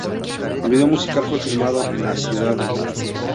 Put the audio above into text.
El video musical fue filmado en la Cd.